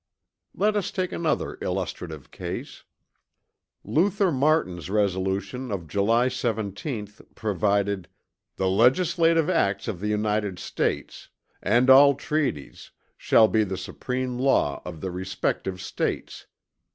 Let us take another illustrative case: Luther Martin's resolution of July 17th provided, "The legislative acts of the United States" "and all treaties" "shall be the supreme law of the respective States."